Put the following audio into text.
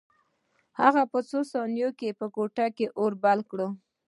هغه په څو ثانیو کې په کوټه اور بل کړ